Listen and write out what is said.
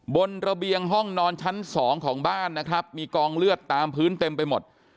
ระเบียงห้องนอนชั้นสองของบ้านนะครับมีกองเลือดตามพื้นเต็มไปหมด